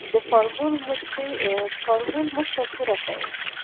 دا فارمول موږ ته څه راښيي.